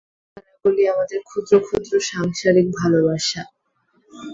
এই তারাগুলি আমাদের ক্ষুদ্র ক্ষুদ্র সাংসারিক ভালবাসা।